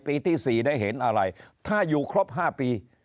ปีที่๔ได้เห็นอะไรถ้าอยู่ครบ๕ปี